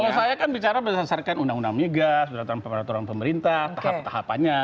kalau saya kan bicara berdasarkan undang undang migas peraturan pemerintah tahap tahapannya